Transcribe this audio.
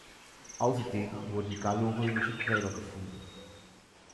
Außerdem wurden gallo-römische Gräber gefunden.